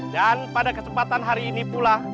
dan pada kesempatan hari ini pula